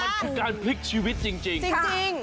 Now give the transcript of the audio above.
มันคือการพลิกชีวิตจริง